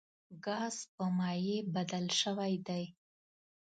ګاز په مایع بدل شوی دی.